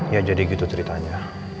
ya jadi gitu ceritanya